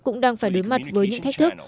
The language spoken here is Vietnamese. cũng đang phải đối mặt với những thách thức